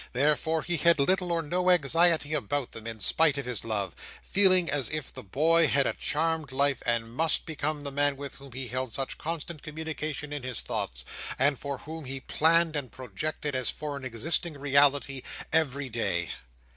Therefore he had little or no anxiety about them, in spite of his love; feeling as if the boy had a charmed life, and must become the man with whom he held such constant communication in his thoughts, and for whom he planned and projected, as for an existing reality, every day.